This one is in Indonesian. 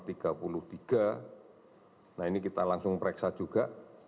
nah ini kita langsung periksa juga